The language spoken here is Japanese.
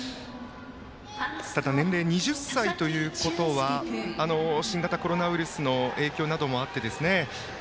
ただ、年齢が２０歳ということは新型コロナウイルスの影響などもあったでしょう。